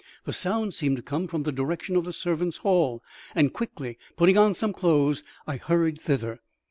The sounds seemed to come from the direction of the servants' hall, and, quickly putting on some clothes, I hurried thither.